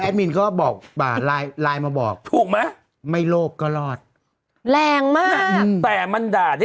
สู้นะสู้คนราว